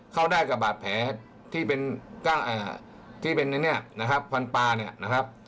เข้าได้กับบาดแผลที่เป็นกล้างที่เป็นเนี่ยนะครับฟันปลาเนี่ยนะครับ